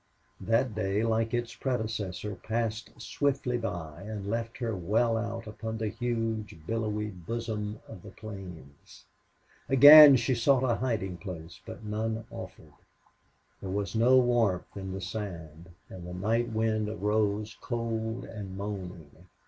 That day, like its predecessor, passed swiftly by and left her well out upon the huge, billowy bosom of the plains. Again she sought a hiding place, but none offered. There was no warmth in the sand, and the night wind arose, cold and moaning.